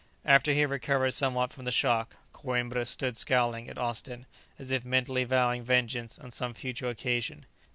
After he had recovered somewhat from the shock, Coïmbra stood scowling at Austin, as if mentally vowing vengeance on some future occasion.